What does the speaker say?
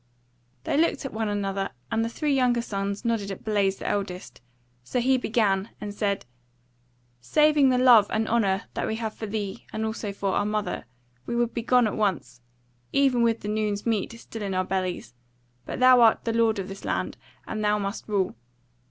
They looked at one another, and the three younger ones nodded at Blaise the eldest: so he began, and said: "Saving the love and honour that we have for thee, and also for our mother, we would be gone at once, even with the noon's meat still in our bellies. But thou art the lord in this land, and thou must rule.